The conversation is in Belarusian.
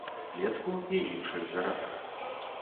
Клецку і іншых гарадах.